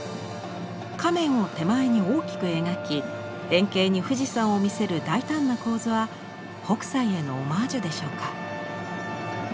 亀を手前に大きく描き遠景に富士山を見せる大胆な構図は北斎へのオマージュでしょうか。